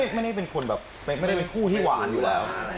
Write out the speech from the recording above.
ไม่ได้เป็นคนแบบไม่ได้เป็นคู่ที่หวานอยู่แล้ว